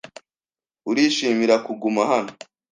Urishimira kuguma hano?